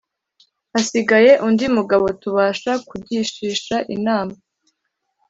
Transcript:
Hasigaye undi mugabo tubasha kugishisha inama